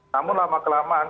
namun lama kelamaan